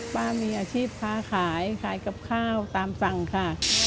ป้ามีอาชีพค้าขายขายกับข้าวตามสั่งค่ะ